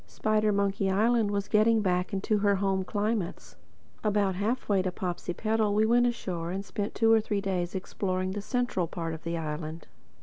Spidermonkey Island was getting back into her home climates. About halfway to Popsipetel we went ashore and spent two or three days exploring the central part of the island.